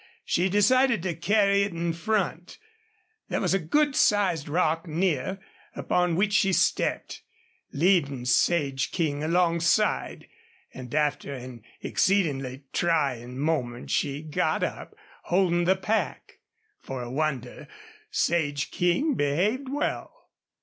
She decided to carry it in front. There was a good sized rock near, upon which she stepped, leading Sage King alongside; and after an exceedingly trying moment she got up, holding the pack. For a wonder Sage King behaved well.